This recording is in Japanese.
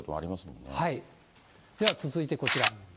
もんでは続いてこちら。